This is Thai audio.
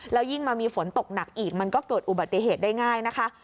แล้วยิ่งมามีฝนตกหนักอีกมันก็เกิดอุบัติเหตุได้ง่ายนะคะ